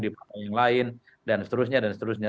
di partai yang lain dan seterusnya dan seterusnya